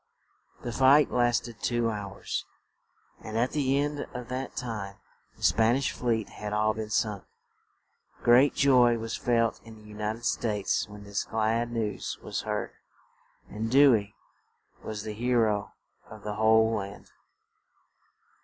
The fight last ed two hours; and at the end of that time the Span ish fleet had all been sunk. Great joy was felt in the U nit ed States when this glad news was heard, and Dew ey was the he ro of the whole land.